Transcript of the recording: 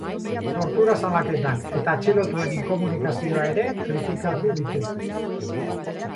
Tortura salaketak eta atxilotuen inkomunikazioa ere kritikatu ditu.